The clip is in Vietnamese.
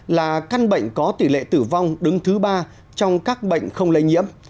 là căn bệnh có tỷ lệ tử vong đứng thứ ba trong các bệnh không lây nhiễm